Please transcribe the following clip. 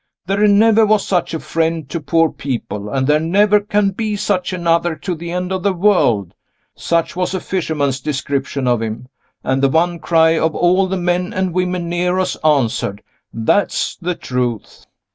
"There never was such a friend to poor people, and there never can be such another to the end of the world." Such was a fisherman's description of him; and the one cry of all the men and women near us answered, "That's the truth!"